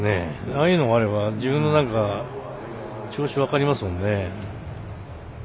ああいうのがあれば自分の調子分かりますね。